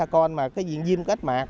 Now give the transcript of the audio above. sa con mà cái diêm chất mạc